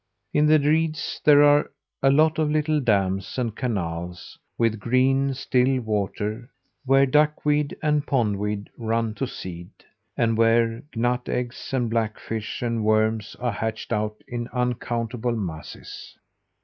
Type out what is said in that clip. In the reeds there are a lot of little dams and canals with green, still water, where duckweed and pondweed run to seed; and where gnat eggs and blackfish and worms are hatched out in uncountable masses.